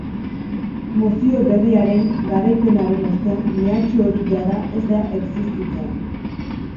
Mozio berriaren garaipenaren ostean, mehatxu hori jada ez da existitzen.